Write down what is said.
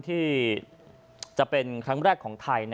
ที่จะเป็นครั้งแรกของไทย